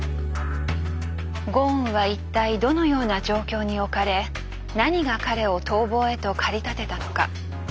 ゴーンは一体どのような状況に置かれ何が彼を逃亡へと駆り立てたのか？